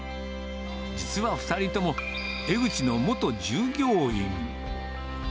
実は２人とも、江ぐちの元従業員。